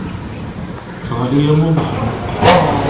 Teɣli am ubeḥnuq.